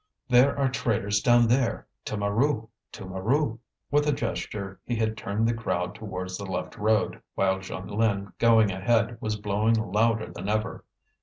There are traitors down there! To Mirou! to Mirou!" With a gesture, he had turned the crowd towards the left road; while Jeanlin, going ahead, was blowing louder than ever.